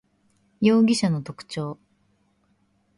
容疑者の特徴